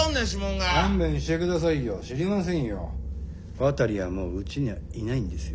渡はもううちにはいないんですよ。